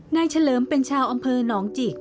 เฉลิมเป็นชาวอำเภอหนองจิก